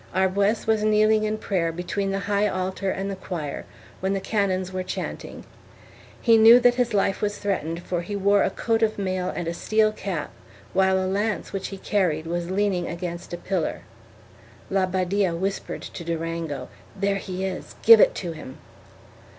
Arbues was kneeling in prayer between the high altar and the choir, where the canons were chanting; he knew that his life was threatened, for he wore a coat of mail and a steel cap, while a lance which he carried was leaning against a pillar. La Badia whispered to Durango "There he is, give it to him!"